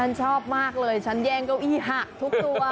ฉันชอบมากเลยฉันแย่งเก้าอี้หักทุกตัว